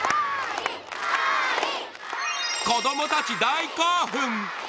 子供たち、大興奮！